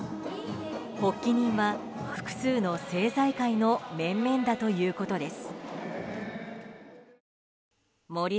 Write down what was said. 発起人は複数の政財界の面々だということです。